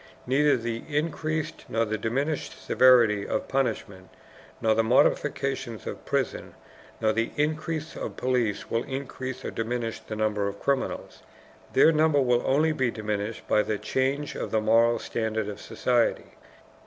Neither the increased nor the diminished severity of punishment, nor the modifications of prisons, nor the increase of police will increase or diminish the number of criminals. Their number will only be diminished by the change of the moral standard of society.